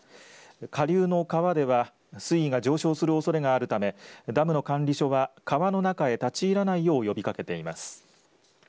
下流の川では水位が上昇するおそれがあるためダムの管理所は川の中へ立ち入らないよう呼びかけています。